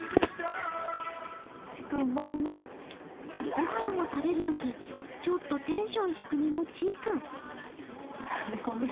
御飯を食べるときちょっとテンション低めのちいくん。